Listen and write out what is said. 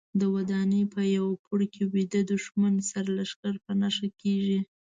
د ودانۍ په یوه پوړ کې ویده دوښمن سرلښکر په نښه کېږي.